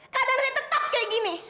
kadang saya tetap kayak gini